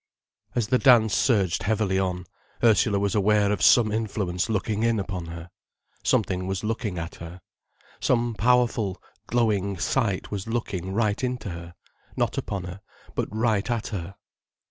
As the dance surged heavily on, Ursula was aware of some influence looking in upon her. Something was looking at her. Some powerful, glowing sight was looking right into her, not upon her, but right at her.